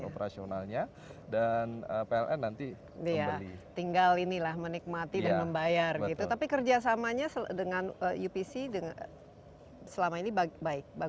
apabila hari ini henido dan upc ya